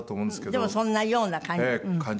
でもそんなような感じ。